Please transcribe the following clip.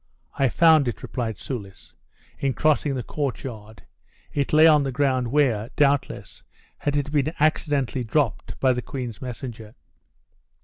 "I found it," replied Soulis, "in crossing the courtyard; it lay on the ground, where, doubtless, it had been accidentally dropped by the queen's messenger."